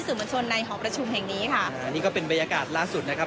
สื่อมวลชนในหอประชุมแห่งนี้ค่ะอันนี้ก็เป็นบรรยากาศล่าสุดนะครับ